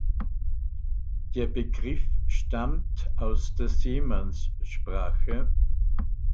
Der Begriff stammt aus der Seemannssprache.